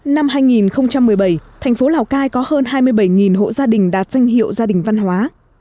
năm hai nghìn một mươi bảy thành phố lào cai có hơn hai mươi bảy hộ gia đình đạt danh hiệu gia đình văn hóa